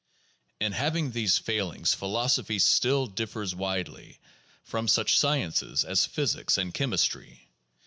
In having these failings philosophy still differs widely from such sciences as physics and chemistry.